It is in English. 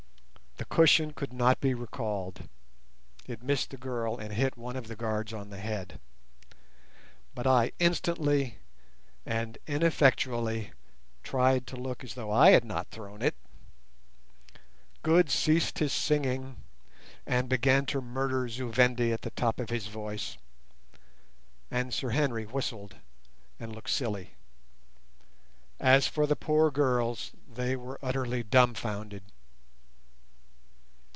The cushion could not be recalled (it missed the girl and hit one of the guards on the head), but I instantly and ineffectually tried to look as though I had not thrown it. Good ceased his sighing, and began to murder Zu Vendi at the top of his voice, and Sir Henry whistled and looked silly. As for the poor girls, they were utterly dumbfounded.